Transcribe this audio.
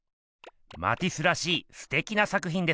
マティスらしいすてきな作ひんですね。